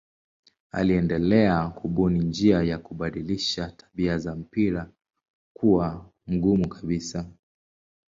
Aliendelea kubuni njia ya kubadilisha tabia za mpira kuwa mgumu kabisa.